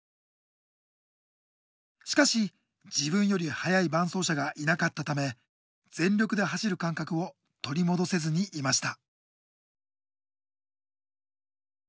しかし自分より速い伴走者がいなかったため全力で走る感覚を取り戻せずにいました。